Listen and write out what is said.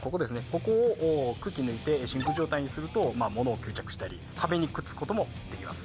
ここを空気抜いて真空状態にすると物を吸着したり壁にくっつくこともできます